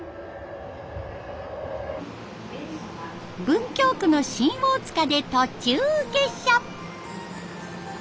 文京区の新大塚で途中下車。